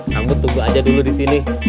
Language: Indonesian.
kamu tunggu aja dulu disini